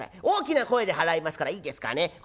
大きな声で払いますからいいですかね。